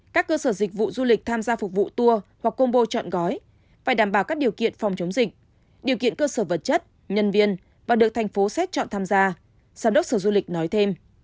các cơ sở dịch vụ du lịch tham gia phục vụ tour hoặc combo chọn gói phải đảm bảo các điều kiện phòng chống dịch điều kiện cơ sở vật chất nhân viên và được thành phố xét chọn tham gia giám đốc sở du lịch nói thêm